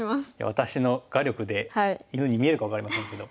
私の画力で犬に見えるか分かりませんけど。